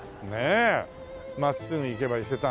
真っすぐ行けば伊勢丹。